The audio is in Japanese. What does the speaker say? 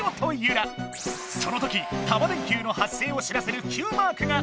そのときタマ電Ｑの発生を知らせるＱマークが！